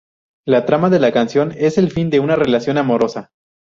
La trama de la canción es el fin de una relación amorosa.